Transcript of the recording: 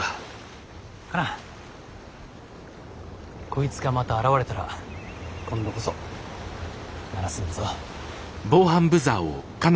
こいつがまた現れたら今度こそ鳴らすんだぞ。